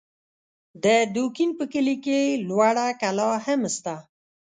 د دوکین په کلي کې لوړه کلا هم سته